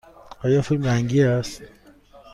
آیا فیلم رنگی است؟